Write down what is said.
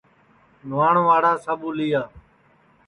نوہانواڑا ساٻو لیا